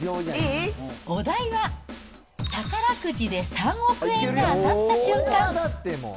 お題は、宝くじで３億円が当たった瞬間。